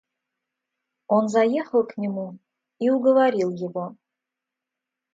Он заехал к нему и уговорил его.